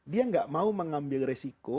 dia nggak mau mengambil resiko